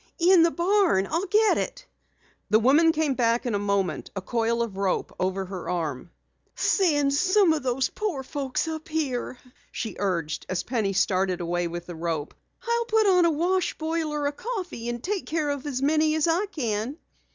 "In the barn. I'll get it." The woman came back in a moment, a coil of rope over her arm. "Send some of those poor folks up here," she urged as Penny started away with the rope. "I'll put on a wash boiler of coffee and take care of as many as I can."